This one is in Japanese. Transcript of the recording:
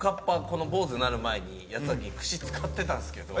この坊ずになる前にやってた時櫛使ってたんですけど。